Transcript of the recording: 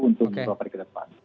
untuk beropera ke depan